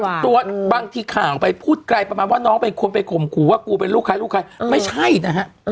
แต่ตัวบางทีข่าวไปพูดไกลประมาณว่าน้องควรไปกลมขู่ว่ากูเป็นลูกใครไม่ใช่นะฮะ